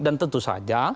dan tentu saja